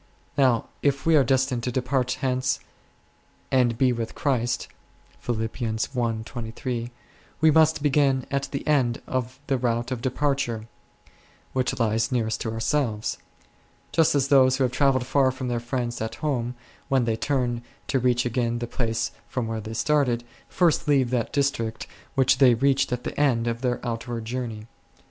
Now if we are destined "to de part hence, and be with Christ 1," we must begin at the end of the route of departure (which lies nearest to ourselves) ; just as those who have travelled far from their friends at home, when they turn to reach again the place from which they started, first leave that district which they reached at the end of their outward journey.